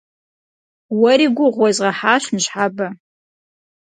Уэри гугъу уезгъэхьащ ныщхьэбэ.